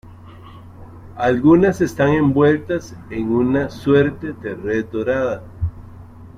Algunas están envueltas en una suerte de red dorada.